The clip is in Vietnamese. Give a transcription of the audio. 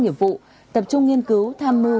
nghiệp vụ tập trung nghiên cứu tham mưu